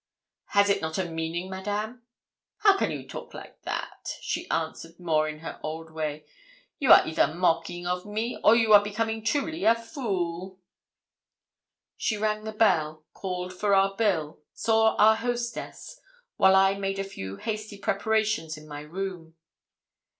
'Has it not a meaning, Madame?' 'How can you talk like that?' she answered, more in her old way. 'You are either mocking of me, or you are becoming truly a fool!' She rang the bell, called for our bill, saw our hostess; while I made a few hasty prepartions in my room.